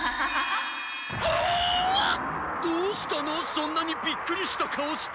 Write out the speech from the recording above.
そんなにびっくりした顔して。